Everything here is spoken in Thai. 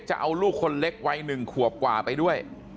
จะเอาลูกคนเล็กวัย๑ขวบกว่าไปด้วย